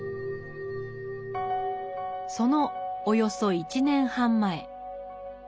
そのおよそ１年半前。